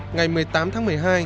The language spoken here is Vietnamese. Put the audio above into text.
ngày một mươi tám tháng một mươi hai